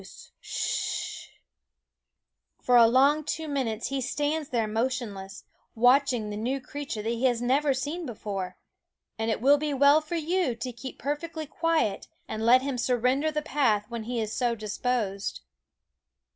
174 Quoskh Keen Eyed W SCHOOL OF For a long two minutes he stands there motionless, watching the new creature that he has never seen before ; and it will be well for you to keep perfectly quiet and let him surrender the path when he is so disposed.